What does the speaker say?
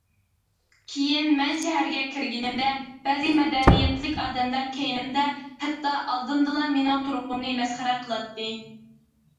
كېيىن مەن شەھەرگە كىرگىنىمدە، بەزى مەدەنىيەتلىك ئادەملەر كەينىمدە، ھەتتا ئالدىمدىلا مېنىڭ تۇرقۇمنى مەسخىرە قىلاتتى.